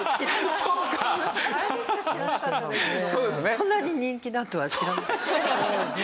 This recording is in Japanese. こんなに人気だとは知らなかった。